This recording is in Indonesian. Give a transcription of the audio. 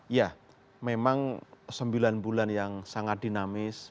ya memang sembilan bulan yang sangat dinamis